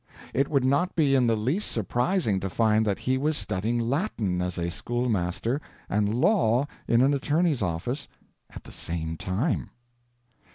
It would not be in the least surprising to find that he was studying Latin as a schoolmaster and law in an attorney's office at the same time.